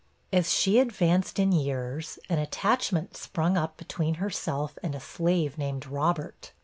As she advanced in years, an attachment sprung up between herself and a slave named Robert.